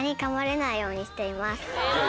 ようにしています。